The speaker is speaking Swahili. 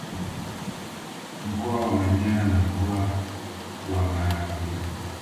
Mkoa wa Manyara na mkoa wa Mara pia